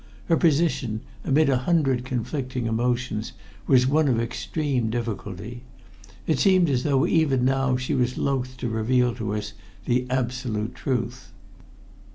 Her position, amid a hundred conflicting emotions, was one of extreme difficulty. It seemed as though even now she was loth to reveal to us the absolute truth.